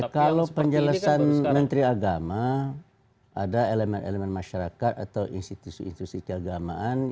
kalau penjelasan menteri agama ada elemen elemen masyarakat atau institusi institusi keagamaan